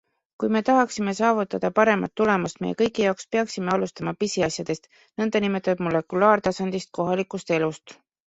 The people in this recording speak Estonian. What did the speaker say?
Kui me tahaksime saavutada paremat tulemust meie kõigi jaoks, peaksime alustama pisiasjadest nn molekulaartasandist, kohalikust elust.